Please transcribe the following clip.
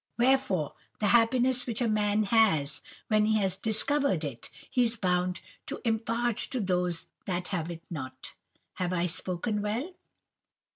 Wherefore the happiness which a man has, when he has discovered it, he is bound to impart to those that have it not. Have I spoken well?